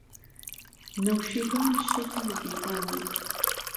نەوشیروان شتێکی لە گیرفانە.